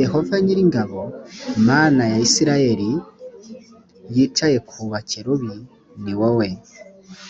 yehova nyiri ingabo mana ya isirayelih yicaye ku bakerubi ni wowe